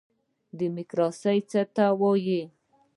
دیموکراسي څه ته وایي؟